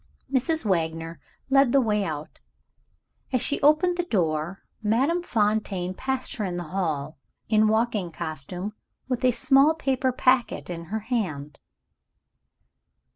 Mrs. Wagner led the way out. As she opened the door, Madame Fontaine passed her in the hall, in walking costume, with a small paper packet in her hand.